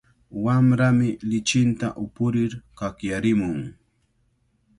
Wamrami lichinta upurir kakyarimun.